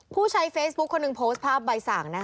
ผู้ใช้เฟซบุ๊คคนหนึ่งโพสต์ภาพใบสั่ง